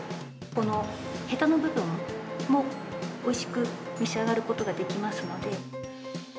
このヘタの部分も、おいしく召し上がることができますので。